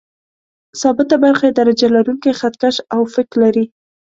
ثابته برخه یې درجه لرونکی خط کش او فک لري.